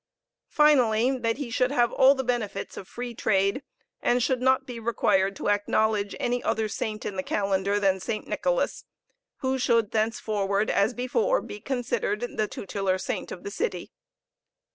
Finally, that he should have all the benefits of free trade, and should not be required to acknowledge any other saint in the calendar than St. Nicholas, who should thenceforward, as before, be considered the tutelar saint of the city.